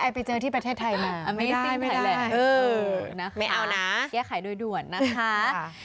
ไอ้ไปเจอที่ประเทศไทยมาไม่ได้นะคะแก้ไขโดยด่วนนะคะไม่เอานะ